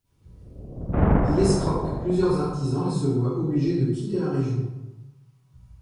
Il escroque plusieurs artisans et se voit obligé de quitter la région.